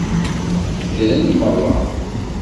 Ddren meṛṛa.